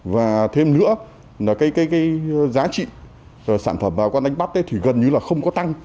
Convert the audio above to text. và thêm nữa giá trị sản phẩm bà quan đánh bắt gần như không có tăng